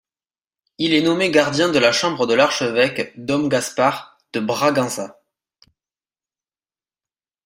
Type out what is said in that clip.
Il est nommé gardien de la chambre de l'archevêque Dom Gaspar de Bragança.